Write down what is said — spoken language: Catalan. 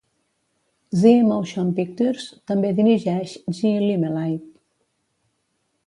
Zee Motion Pictures també dirigeix Zee Limelight.